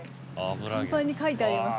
看板に書いてあります